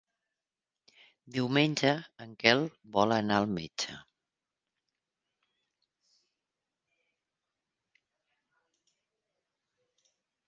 Diumenge en Quel vol anar al metge.